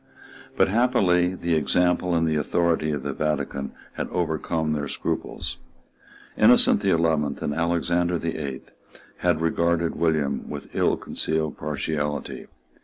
But happily the example and the authority of the Vatican had overcome their scruples. Innocent the Eleventh and Alexander the Eighth had regarded William with ill concealed partiality.